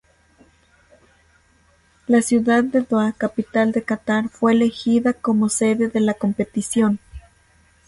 La ciudad de Doha, capital de Catar, fue elegida como sede de la competición.